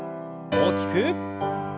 大きく。